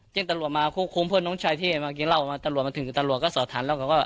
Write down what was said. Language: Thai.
เจ้งตลวดมาคุ้มพ่อนน้องชายที่เห็นมากินเหล้ามาตลวดมาถึงตลวดก็สอดทันแล้วก็